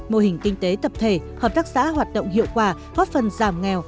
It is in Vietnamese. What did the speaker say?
mô hình kinh tế tập thể hợp tác xã hoạt động hiệu quả góp phần giảm nghèo